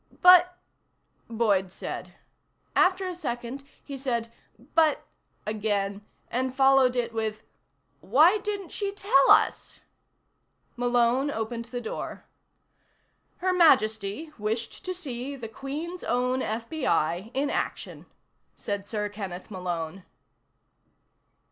"But," Boyd said. After a second he said: "But," again, and followed it with: "Why didn't she tell us?" Malone opened the door. "Her Majesty wished to see the Queen's Own FBI in action," said Sir Kenneth Malone.